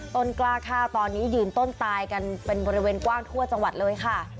ต้นกล้าฆ่าตอนนี้ยืนต้นตายกันเป็นบริเวณกว้างทั่วจังหวัดเลยค่ะ